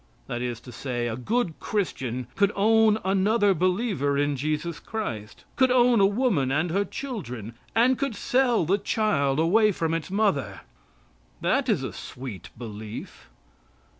That is to say, a good Christian could own another believer in Jesus Christ; could own a woman and her children, and could sell the child away from its mother. That is a sweet belief.